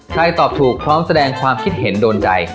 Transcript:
ตอบถูกพร้อมแสดงความคิดเห็นโดนใจ